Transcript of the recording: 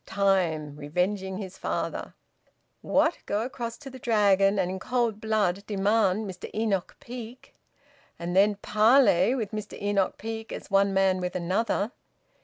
Time, revenging his father! ... What! Go across to the Dragon and in cold blood demand Mr Enoch Peake, and then parley with Mr Enoch Peake as one man with another!